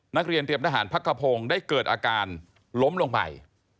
นักเรียนเตรียมทหารพักขพงศ์ได้เกิดอาการล้มลงไป